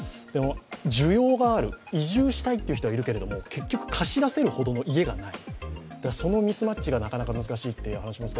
需要がある、移住したいという人はいるけれども、結局貸し出せるほどの家がない。